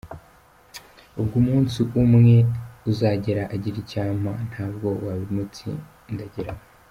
Ubwo umunsi umwe uzagera agire icyo ampa, ntabwo wabimutsindagiramo.